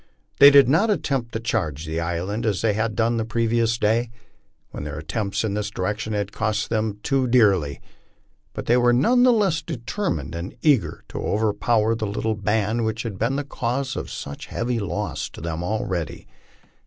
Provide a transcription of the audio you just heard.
They did not attempt to charge the island as they had done the previous day, when their attempts in this direction had cost them too dearly ; but they were none the less determined and eager to overpower the little band which had been the cause of such heavy loss to them already.